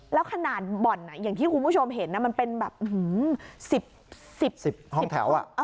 แล้วขนาดบ่อนอย่างที่คุณผู้ชมเห็นมันเป็นแบบ๑๐๑๐ห้องแถว